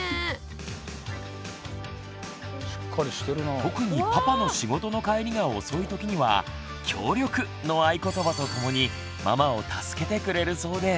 特にパパの仕事の帰りが遅い時には「協力」の合言葉とともにママを助けてくれるそうです。